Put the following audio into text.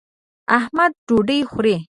احمد ډوډۍ خوري.